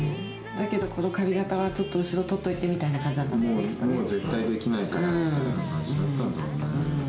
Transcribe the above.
だけど、この髪形はちょっと後ろ撮っといてみたいな感じだったんだよね、もう絶対にできないからって感じだったんだろうね。